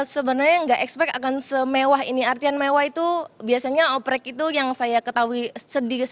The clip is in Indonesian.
sebenarnya nggak expect akan semewah ini artian mewah itu biasanya oprek itu yang saya ketahui sedikit sependek pengetahuan saya